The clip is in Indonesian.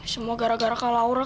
semua gara gara kak laura